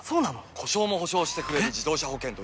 故障も補償してくれる自動車保険といえば？